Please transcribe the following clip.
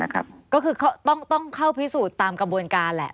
ก็คือต้องเข้าพิสูจน์ตามกระบวนการแหละ